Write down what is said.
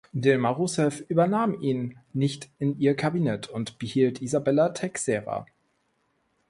Dilma Rousseff übernahm ihn nicht in ihr Kabinett und behielt Izabella Teixeira.